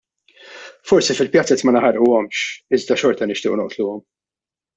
Forsi fil-pjazez ma naħarquhomx, iżda xorta nixtiequ noqtluhom!